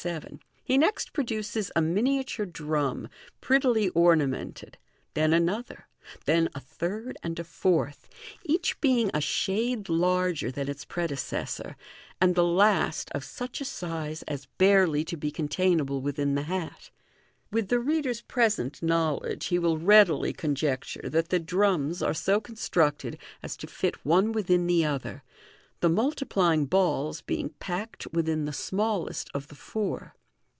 He next produces a miniature drum, prettily ornamented, then another, then a third and a fourth, each being a shade larger than its predecessor, and the last of such a size as barely to be containable within the hat. With the reader's present knowledge, he will readily conjecture that the drums are so constructed as to fit one within the other, the multiplying balls being packed within the smallest of the four.